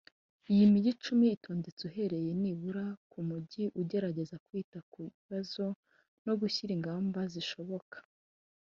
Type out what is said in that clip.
Iyi migi icumi itondetse uhereye nibura ku mujyi ugerageza kwita ku kibazo no gushyiraho ingamba zishoboka